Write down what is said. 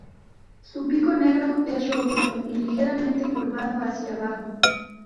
Su pico negro es robusto y ligeramente curvado hacia abajo.